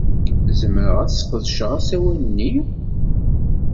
Zemreɣ ad sqedceɣ asawal-nni?